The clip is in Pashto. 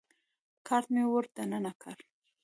کارت مې ور دننه کړ.